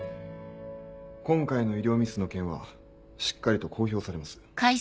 今回の医療ミスの件はしっかりと公表されます。